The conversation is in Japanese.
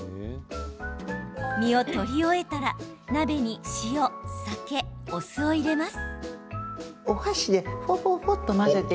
身を取り終えたら鍋に塩、酒、お酢を入れます。